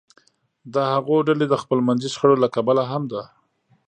د هغو ډلو د خپلمنځي شخړو له کبله هم ده